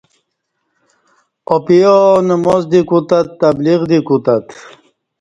آپیا نماز دی کوتت تبلیغ دی کوتت